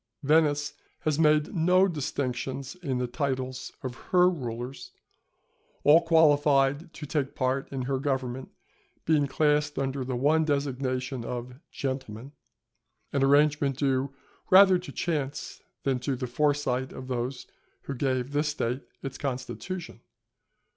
Venice has made no distinction in the titles of her rulers, all qualified to take part in her government being classed under the one designation of "Gentlemen," an arrangement due rather to chance than to the foresight of those who gave this State its constitution.